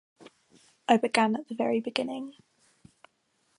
I began at the very beginning.